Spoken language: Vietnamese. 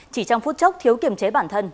chỉ trong phút chốc thiếu kiểm chế bản thân